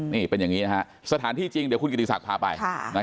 นี่เป็นอย่างนี้นะฮะสถานที่จริงเดี๋ยวคุณกิติศักดิ์พาไป